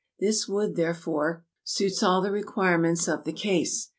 This wood, therefore, suits all the requirements of the case.